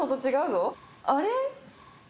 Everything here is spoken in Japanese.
あれ？